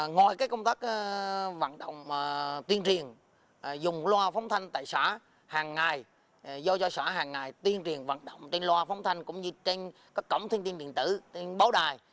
ngoài công tác tuyên truyền dùng loa phóng thanh tại xã hàng ngày do xã hàng ngày tuyên truyền vận động trên loa phóng thanh cũng như trên các cổng thiên tiên điện tử tiên báo đài